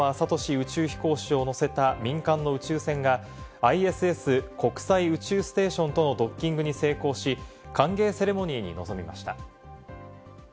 宇宙飛行士を乗せた民間の宇宙船がＩＳＳ＝国際宇宙ステーションとのドッキングに成功し、歓迎セレモニーに臨みました。